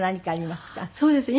そうですね。